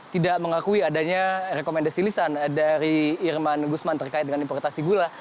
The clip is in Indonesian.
tidak mengakui adanya rekomendasi lisan dari irman gusman terkait dengan importasi gula